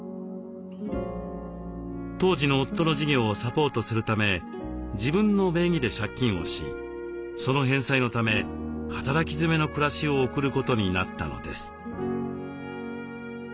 当時の夫の事業をサポートするため自分の名義で借金をしその返済のため働きづめの暮らしを送ることになったのです。